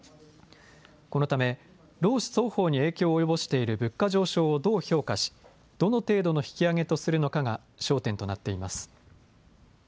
このため労使双方に影響を及ぼしている物価上昇をどう評価し、どの程度の引き上げとするのかが焦点となっています。